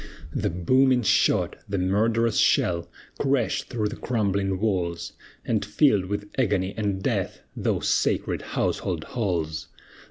The booming shot, the murderous shell, Crashed through the crumbling walls, And filled with agony and death Those sacred household halls!